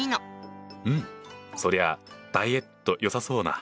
うんそりゃあダイエットよさそうな。